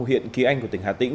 hiện kỳ anh của tỉnh hà tĩnh